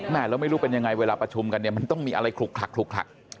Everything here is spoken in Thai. แล้วไม่รู้เป็นยังไงเวลาประชุมกันเนี่ยมันต้องมีอะไรคลุกคลัก